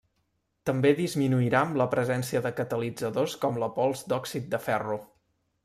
També disminuirà amb la presència de catalitzadors com la pols d'òxid de ferro.